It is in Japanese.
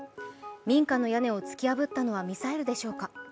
民家の屋根を突き破ったのはミサイルでしょうか。